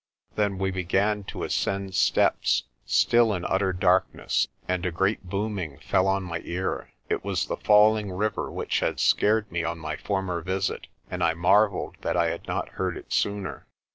Then we began to ascend steps, still in utter darkness, and a great booming fell on my ear. It was the falling river which had scared me on my former visit and I marvelled that I had not heard it sooner.